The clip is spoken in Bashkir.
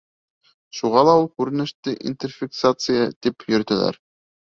Шуға ла ул күренеште интерфиксация тип йөрөтәләр.